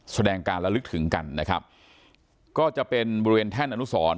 แสดงการละลึกถึงกันนะครับก็จะเป็นบริเวณแท่นอนุสร